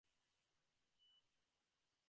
যুগ যুগ ধরে আমার জমানো সব সম্পদগুলো নিয়ে যাবে।